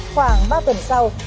khoảng ba tuần sau